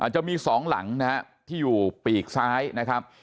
จะมี๒หลังนะครับที่อยู่ปีกซ้ายนะครับ